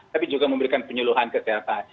tapi juga memberikan penyuluhan kesehatan